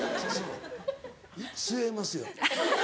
吸えますよ。